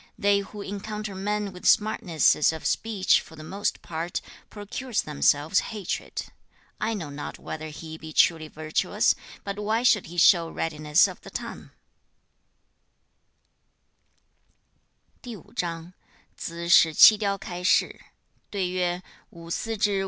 They who encounter men with smartnesses of speech for the most part procure themselves hatred. I know not whether he be truly virtuous, but why should he show readiness of the tongue?'